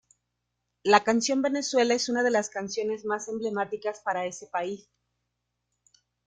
La canción Venezuela es una de las canciones más emblemáticas para ese país.